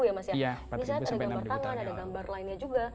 ini saya ada gambar tangan ada gambar lainnya juga